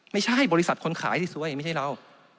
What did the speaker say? ไม่ใช่บริษัทคนขายที่สวยไม่ใช่เรา